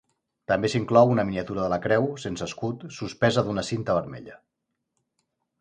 També s'inclou una miniatura de la Creu, sense escut, suspesa d'una cinta vermella.